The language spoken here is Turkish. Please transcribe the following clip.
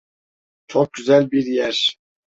Çok güzel bir yer.